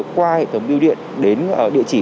qua hệ thống biêu điện đến địa chỉ